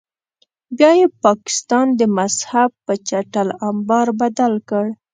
بیا یې پاکستان د مذهب په چټل امبار بدل کړ.